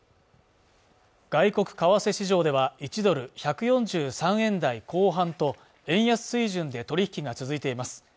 外国為替市場では１ドル＝１４３円台後半と円安水準で取引が続いています